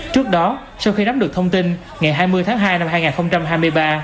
trước đó sau khi nắm được thông tin ngày hai mươi tháng hai năm hai nghìn hai mươi ba